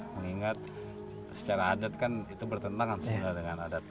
mengingat secara adat kan itu bertentangan sebenarnya dengan adat